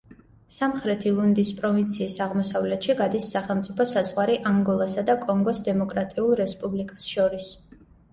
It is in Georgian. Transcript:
სამხრეთი ლუნდის პროვინციის აღმოსავლეთში გადის სახელმწიფო საზღვარი ანგოლასა და კონგოს დემოკრატიულ რესპუბლიკას შორის.